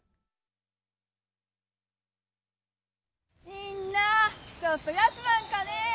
みんなちょっと休まんかね？